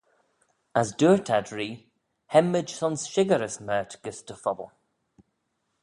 As dooyrt ad r'ee, Hem mayd son shickyrys mayrts gys dty phobble.